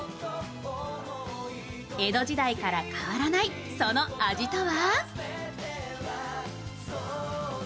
江戸時代から変わらない、その味とは？